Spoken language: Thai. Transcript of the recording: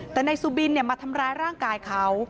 แต่นายสุบินมาทำร้ายร่างกายเขา